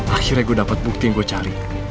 akhirnya gue dapat bukti yang gue cari